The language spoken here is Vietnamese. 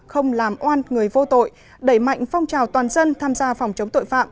không làm oan người vô tội đẩy mạnh phong trào toàn dân tham gia phòng chống tội phạm